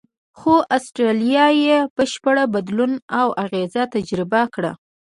خو استرالیا یې بشپړ بدلون او اغېز تجربه کړ.